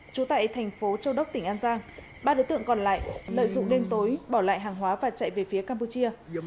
trú tại thành phố châu đốc tỉnh an giang ba đối tượng còn lại lợi dụng đêm tối bỏ lại hàng hóa và chạy về phía campuchia